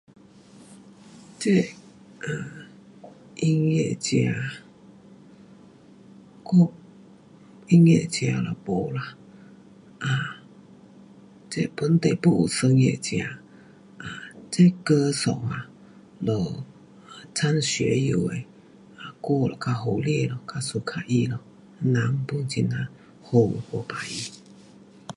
这，啊，音乐家，我，音乐家就没啦，啊，这本地 pun 有声乐家，这歌手啊，就张学友的歌就较好听咯。较 suka 他咯。人 pun 很呀好。